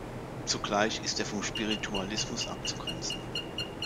Zugleich ist er vom Spiritualismus abzugrenzen.